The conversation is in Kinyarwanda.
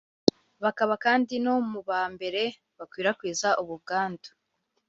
bakaba kandi no mu ba mbere bakwirakwiza ubwo bwandu